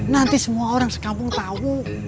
nanti semua orang sekampung tahu